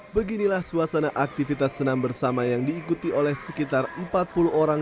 beginilah suasana aktivitas senam bersama yang diikuti oleh sekitar empat puluh orang